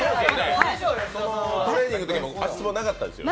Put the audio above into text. トレーニングのときに足つぼなかったですよね。